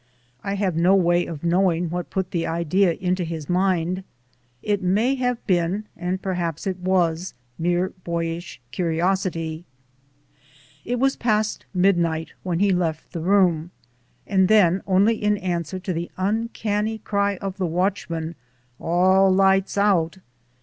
I have no way of knowing what put the idea into his mind ; it may have been, and perhaps it was, mere boyish curiosity. It was past midnight when he left the room; and then only in answer to the uncanny cry of the watchman: "All lights out."